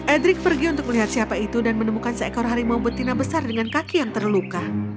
edric pergi untuk melihat siapa itu dan menemukan seekor harimau betina besar dengan kaki yang terluka